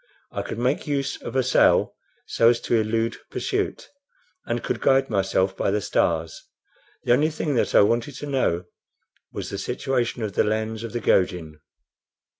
I could make use of a sail so as to elude pursuit, and could guide myself by the stars. The only thing that I wanted to know was the situation of the lands of the Gojin.